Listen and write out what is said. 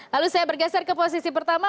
lalu saya bergeser ke posisi pertama